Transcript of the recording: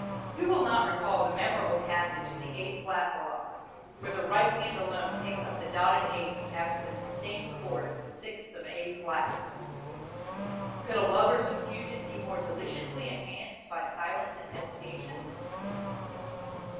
Who will not recall the memorable passage in the A flat Ballade, where the right hand alone takes up the dotted eighths after the sustained chord of the sixth of A flat? Could a lover's confusion be more deliciously enhanced by silence and hesitation?"